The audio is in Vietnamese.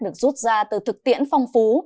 được rút ra từ thực tiễn phong phú